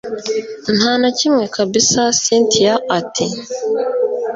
ntanakimwe kabsa cyntia ati